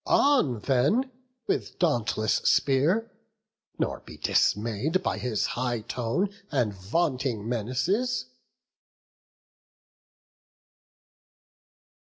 On then with dauntless spear, nor be dismay'd By his high tone and vaunting menaces."